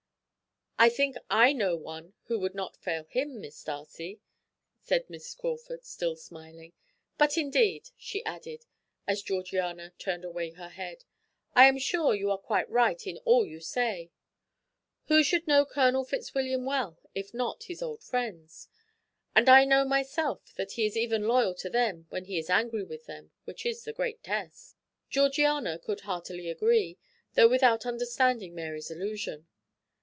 "I think I know one who would not fail him, Miss Darcy," said Miss Crawford, still smiling; "but, indeed," she added, as Georgiana turned away her head, "I am sure you are quite right in all you say. Who should know Colonel Fitzwilliam well, if not his old friends? And I know myself that he is even loyal to them when he is angry with them, which is the great test." Georgiana could heartily agree, though without understanding Mary's allusion.